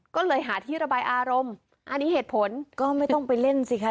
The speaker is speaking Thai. ก็เลยหาที่ระบายอารมณ์อันนี้เหตุผลก็ไม่ต้องไปเล่นสิคะ